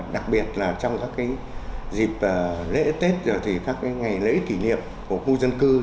đặc biệt trong các dịp lễ tết các ngày lễ kỷ niệm của khu dân cư